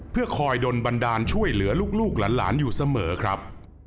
เพื่อคอยดนบันดาลช่วยเหลือลูกหลานอยู่เสมอครับ